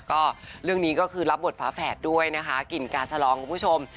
ก็เรื่องนี้ก็คือรับบทฝาแฝดด้วยนะคะกลิ่นกาสลองคุณผู้ชม